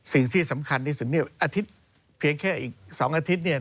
สิ่งที่สำคัญที่สุดเนี่ยอาทิตย์เพียงแค่อีก๒อาทิตย์